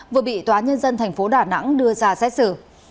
vừa bị tòa nhân dân tp đà nẵng đưa ra xét xử